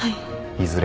いずれ